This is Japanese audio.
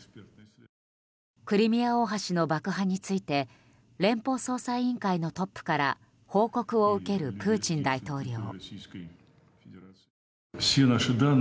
クリミア大橋の爆破について連邦捜査委員会のトップから報告を受けるプーチン大統領。